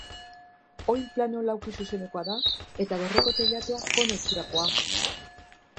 Oinplano laukizuzenekoa da eta dorreko teilatua kono itxurakoa.